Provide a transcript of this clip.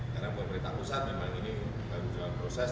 karena pemerintah pusat memang ini bagus dalam proses